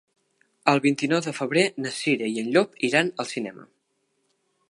El vint-i-nou de febrer na Cira i en Llop iran al cinema.